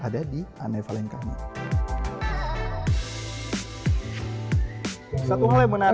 gak mau sama yang mau